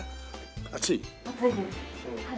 熱い？